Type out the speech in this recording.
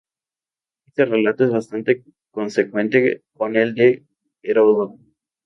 Este relato es bastante consecuente con el de Heródoto.